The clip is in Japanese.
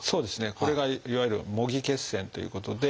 これがいわゆる「模擬血栓」ということで。